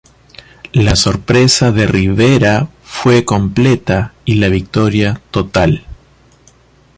La sorpresa de Rivera fue completa y la victoria total.